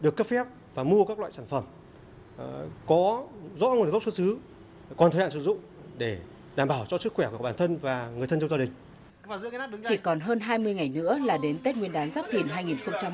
chỉ còn hơn hai mươi ngày nữa là đến tết nguyên đán giáp thìn hai nghìn hai mươi bốn